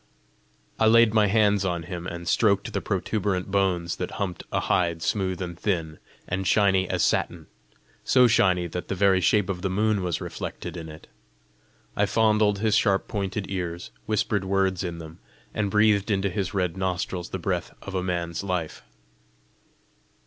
I laid my hands on him, and stroked the protuberant bones that humped a hide smooth and thin, and shiny as satin so shiny that the very shape of the moon was reflected in it; I fondled his sharp pointed ears, whispered words in them, and breathed into his red nostrils the breath of a man's life.